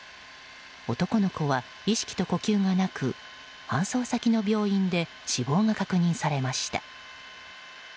男の子は意識と呼吸がなく搬送先の病院で死亡が確認されました。